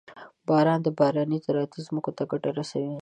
• باران د بارانۍ زراعتي ځمکو ته ګټه رسوي.